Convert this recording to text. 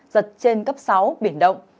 giật trên cấp sáu biển động